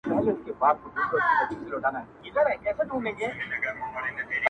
حافظه يې له ذهن نه نه وځي,